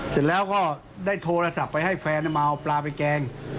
เสร็จแล้วก็ได้โทรศัพท์ไปให้แฟนมาเอาปลาไปแกง